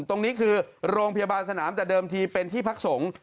ตรงนี้คือโรงพยาบาลสนามแต่เดิมทีเป็นที่พักสงฆ์